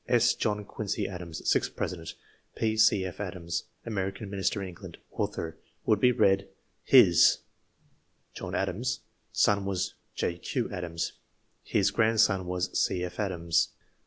S. John Quincey Adams, sixth President. P, C. F. Adams, American Minister in England ; author. would be J read His (i.e. John Adams') son was John Quincey Adams. His grandson was C. F. Adams.